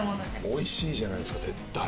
美味しいじゃないですか絶対。